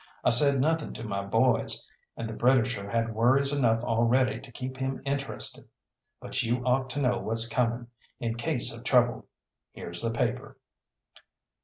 I said nothing to my boys, and the Britisher has worries enough already to keep him interested, but you ought to know what's coming, in case of trouble. Here's the paper.